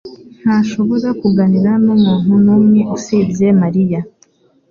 ntashobora kuganira numuntu numwe usibye Mariya